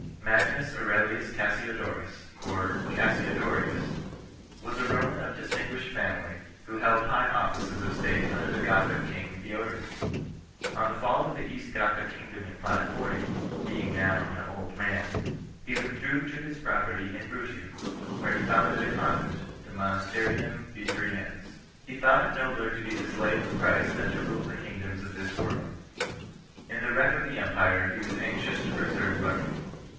Magnus Aurelius Cassiodorus 1 (or Cassiodorius) was a Roman of distinguished family, who held high offices of state under the Gothic king Theoderic. On the fall of the East Gothic kingdom in 540, being now an old man, he withdrew to his property in Bruttium, where he founded a convent, the Monasterium Vivariense. He thought it nobler to be the slave of Christ than to rule the kingdoms of this world 2 . In the wreck of the empire he was anxious to preserve learning.